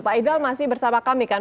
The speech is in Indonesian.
pak ifdal masih bersama kami kan